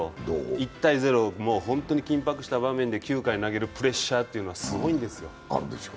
１−０、本当に緊迫した場面で９回を投げるプレッシャーはすごいんですよ。